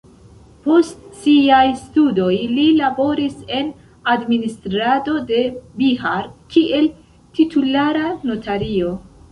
Post siaj studoj li laboris en administrado de Bihar kiel titulara notario.